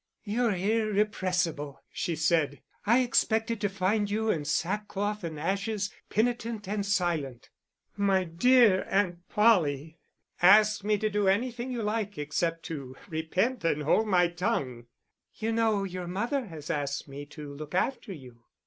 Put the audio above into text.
"You're irrepressible," she said. "I expected to find you in sackcloth and ashes, penitent and silent." "My dear Aunt Polly, ask me to do anything you like, except to repent and to hold my tongue." "You know your mother has asked me to look after you."